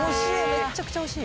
めっちゃくちゃ惜しい。